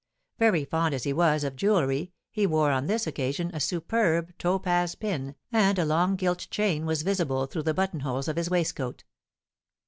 Very fond as he was of jewelry, he wore on this occasion a superb topaz pin, and a long gilt chain was visible through the buttonholes of his waistcoat.